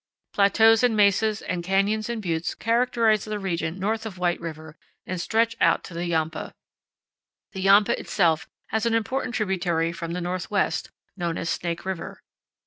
Plateaus and mesas and canyons and buttes characterize the region north of White River and stretch out to the Yampa. The Yampa itself has an important tributary from the northwest, known as Snake River.